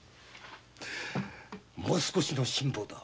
もう少しの辛抱だ。